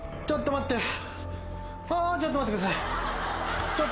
ちょっと待って。